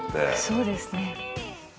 「そうですね」